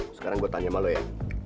sekarang gue tanya sama lo ya